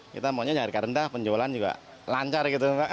kita maunya harga rendah penjualan juga lancar gitu